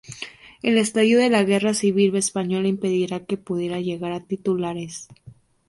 El estallido de la Guerra Civil española impediría que pudiera llegar a titularse.